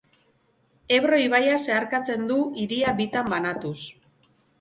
Ebro ibaia zeharkatzen du, hiria bitan banatuz.